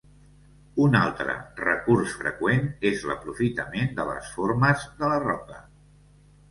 Un altre recurs freqüent és l'aprofitament de les formes de la roca.